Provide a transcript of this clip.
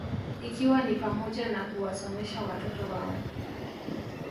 Ikiwa ni pamoja na kuwasomesha watoto wao